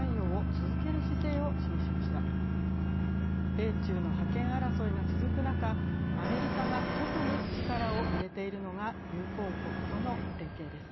米中の覇権争いが続く中アメリカが特に力を入れているのが友好国との連携です。